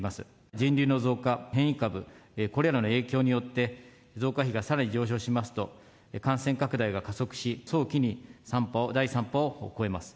人流の増加、変異株、これらの影響によって、増加比がさらに上昇しますと、感染拡大が加速し、早期に第３波を超えます。